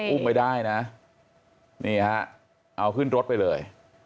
อุ้มไปได้นะนี่ฮะเอาขึ้นรถไปเลย